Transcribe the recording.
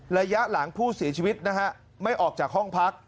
ระยะหลังผู้เสียชีวิตนะฮะไม่ออกจากห้องพัก